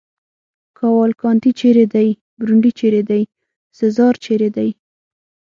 کاوالکانتي چېرې دی؟ برونډي چېرې دی؟ سزار چېرې دی؟